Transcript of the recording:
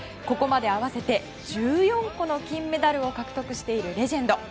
ここまで合わせて１４個の金メダルを獲得しているレジェンド。